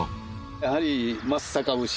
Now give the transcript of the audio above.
やはり松阪牛。